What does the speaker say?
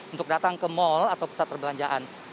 untuk datang ke mal atau pusat perbelanjaan